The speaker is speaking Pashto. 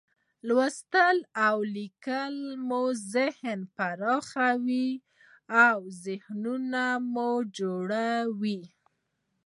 لوستل او لیکل مو ذهن پراخوي، اوذهین مو جوړوي.